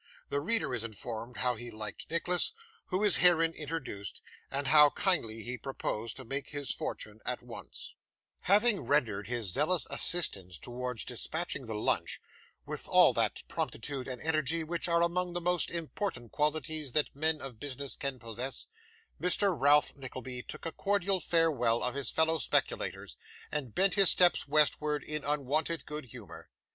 The Reader is informed how he liked Nicholas, who is herein introduced, and how kindly he proposed to make his Fortune at once Having rendered his zealous assistance towards dispatching the lunch, with all that promptitude and energy which are among the most important qualities that men of business can possess, Mr. Ralph Nickleby took a cordial farewell of his fellow speculators, and bent his steps westward in unwonted good humour.